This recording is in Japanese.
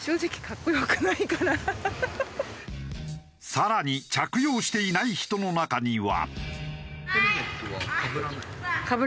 更に着用していない人の中には。